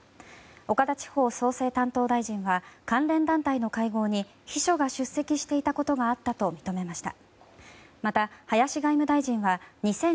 岡田地方創生担当大臣は関連団体の会合に秘書が出席していたことがあったと認めました。